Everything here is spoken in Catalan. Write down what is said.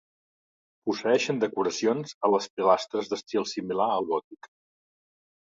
Posseeixen decoracions a les pilastres d'estil similar al gòtic.